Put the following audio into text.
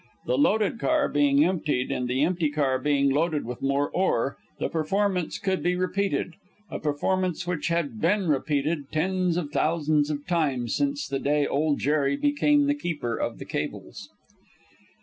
The loaded car being emptied, and the empty car being loaded with more ore, the performance could be repeated a performance which had been repeated tens of thousands of times since the day Old Jerry became the keeper of the cables.